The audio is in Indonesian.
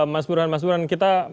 mas burhan mas burhan kita